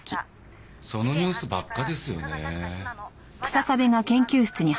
そのニュースばっかですよねぇ。